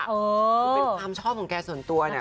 คือเป็นความชอบของแกส่วนตัวเนี่ย